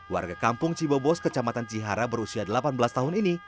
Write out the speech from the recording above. warga kampung cibobos kecamatan cihara berusia delapan belas tahun ini